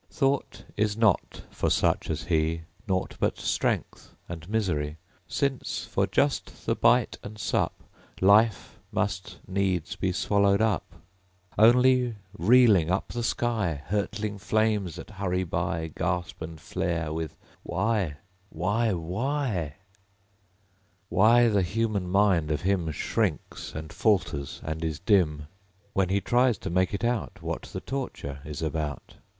Thought is not for such as he; Naught but strength, and misery; Since, for just the bite and sup, Life must needs be swallowed up. Only, reeling up the sky, Hurtling flames that hurry by, Gasp and flare, with Why Why, ... Why?... Why the human mind of him Shrinks, and falters and is dim When he tries to make it out: What the torture is about.